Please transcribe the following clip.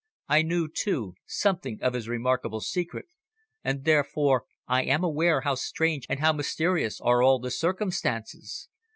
I knew, too, something of his remarkable secret, and therefore I am aware how strange and how mysterious are all the circumstances.